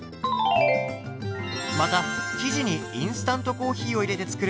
また生地にインスタントコーヒーを入れて作ることもできます。